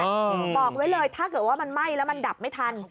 บอกไว้เลยถ้าเกิดว่ามันไหม้แล้วมันดับไม่ทัน